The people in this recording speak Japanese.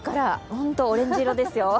本当、オレンジ色ですよ。